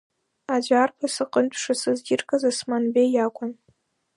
Аӡәы Арԥаз аҟынтә шасыс иргаз Осман Беи иакәын.